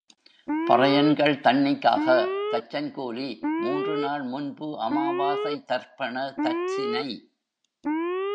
பறையன்கள் தண்ணிக்காக... தச்சன் கூலி... மூன்று நாள் முன்பு அமாவாசை தர்ப்பண தட்சினை.